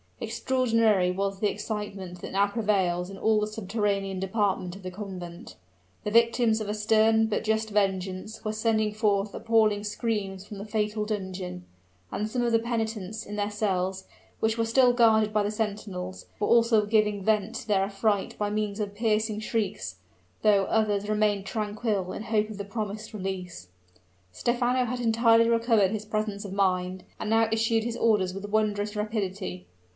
Extraordinary was the excitement that now prevailed in all the subterranean department of the convent. The victims of a stern but just vengeance were sending forth appalling screams from the fatal dungeon; and some of the penitents in their cells, which were still guarded by the sentinels, were also giving vent to their affright by means of piercing shrieks, though others remained tranquil in hope of the promised release. Stephano had entirely recovered his presence of mind, and now issued his orders with wondrous rapidity.